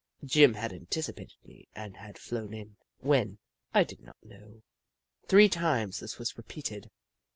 Jim had anticipated me, and had flown in — when, I did not know. Three times this was repeated.